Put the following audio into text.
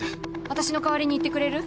私の代わりに行ってくれる？